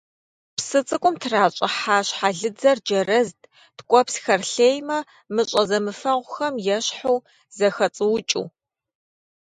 Псы цӀыкӀум тращӀыхьа щхьэлыдзэр джэрэзт ткӀуэпсхэр лъеймэ мыщӀэ зэмыфэгъухэм ещхьу зэхэцӀуукӀыу.